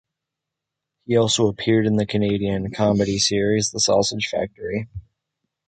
He also appeared in the Canadian comedy series "The Sausage Factory".